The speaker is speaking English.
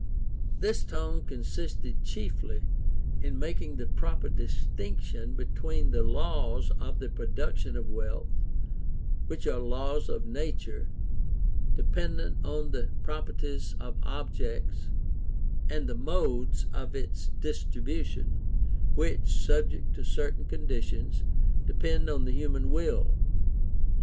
This tone consisted chiefly in making the proper distinction between the laws of the Production of Wealth which are laws of nature, dependent on the properties of objects and the modes of its Distribution, which, subject to certain conditions, depend on human will.